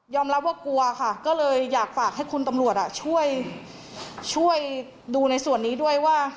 รับว่ากลัวค่ะก็เลยอยากฝากให้คุณตำรวจช่วยดูในส่วนนี้ด้วยว่า